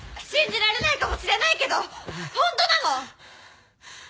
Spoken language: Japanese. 信じられないかもしれないけどホントなの！